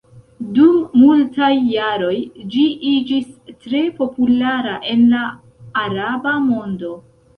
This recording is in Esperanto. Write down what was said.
Dum multaj jaroj ĝi iĝis tre populara en la araba mondo.